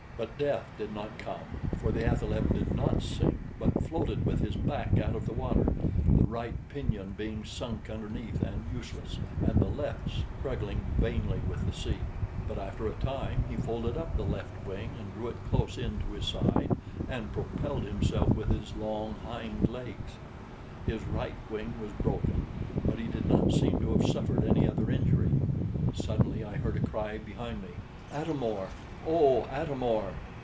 But death did not come; for the athaleb did not sink, but floated with his back out of the water, the right pinion being sunk underneath and useless, and the left struggling vainly with the sea. But after a time he folded up the left wing and drew it close in to his side, and propelled himself with his long hind legs. His right wing was broken, but he did not seem to have suffered any other injury. Suddenly I heard a cry behind me: "Atam or! oh, Atam or!"